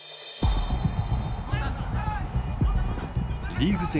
リーグ戦